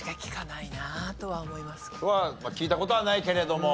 聞いた事はないけれども。